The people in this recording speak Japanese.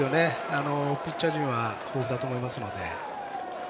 ピッチャー陣は豊富だと思いますので。